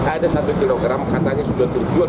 ada satu kilogram katanya sudah terjual